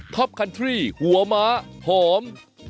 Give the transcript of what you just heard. คันทรี่หัวม้าหอม